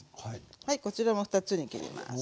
はいこちらも２つに切ります。